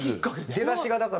出だしがだから。